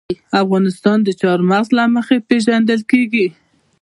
افغانستان د چار مغز له مخې پېژندل کېږي.